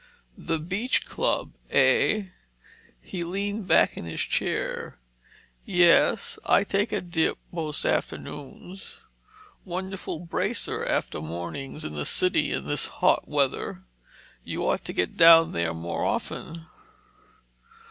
"The Beach Club, eh?" He leaned back in his chair. "Yes, I take a dip most afternoons. Wonderful bracer after mornings in the city in this hot weather. You ought to get down there more often."